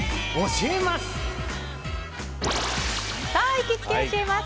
行きつけ教えます！